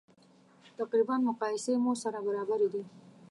تقریبا مقایسې مو سره برابرې دي.